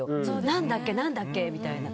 何だっけ、何だっけみたいな。